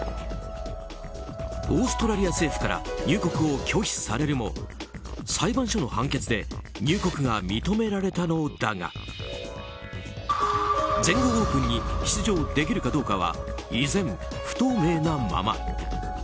オーストラリア政府から入国を拒否されるも裁判所の判決で入国が認められたのだが全豪オープンに出場できるかどうかは依然、不透明なまま。